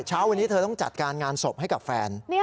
เช้าวันนี้เธอต้องจัดการงานศพให้กับแฟน